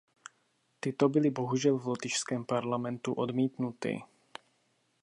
Tyto byly bohužel v lotyšském parlamentu odmítnuty.